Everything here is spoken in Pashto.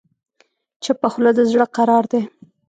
چپه خوله، د زړه قرار دی.